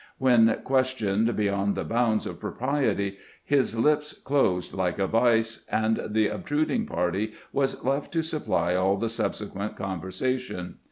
When questioned beyond the bounds of propriety, his lips closed like a vise, and the obtrud ing party was left to supply all the siibsequent conver sation.